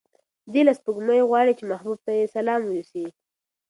دی له سپوږمۍ غواړي چې محبوب ته یې سلام یوسي.